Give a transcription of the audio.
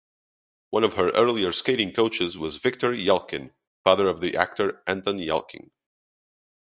One of her early skating coaches was Victor Yelchin, father of actor Anton Yelchin.